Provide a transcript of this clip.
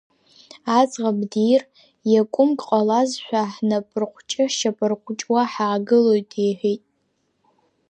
Аӡӷаб дир, иакәымк ҟалазшәа, ҳнапырҟәыҷы-шьапырҟәыҷуа ҳаагылоит, — иҳәеит.